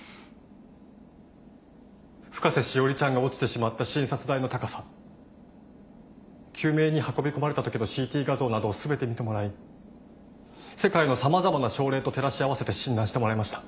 深瀬詩織ちゃんが落ちてしまった診察台の高さ救命に運び込まれたときのＣＴ画像などを全て見てもらい世界の様々な症例と照らし合わせて診断してもらいました。